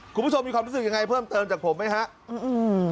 คุณผู้ชมมีความรู้สึกยังไงเพิ่มเติมจากผมไหมครับ